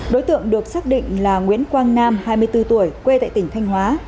đối tượng được xác định là nguyễn quang nam hai mươi bốn tuổi quê tại tỉnh thanh hóa